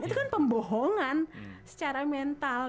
itu kan pembohongan secara mental